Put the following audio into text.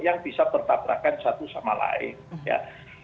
yang bisa bertabrakan satu sama lain ya